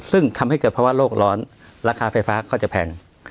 ซึ่งทำให้เกิดภาวะโลกร้อนราคาไฟฟ้าก็จะแพง